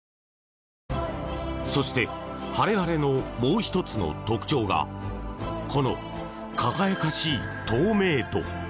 そしてハレハレのもう１つの特徴がこの輝かしい透明度！